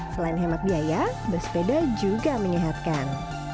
selain hemat biaya bersepeda juga menyehatkan